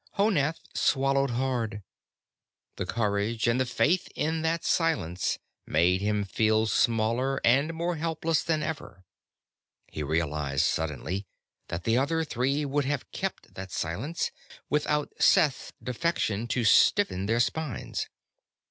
Honath swallowed hard. The courage and the faith in that silence made him feel smaller and more helpless than ever. He realized suddenly that the other three would have kept that silence, even without Seth's defection to stiffen their spines.